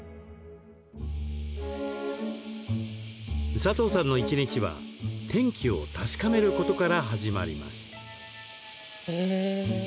サトウさんの一日は天気を確かめることから始まります。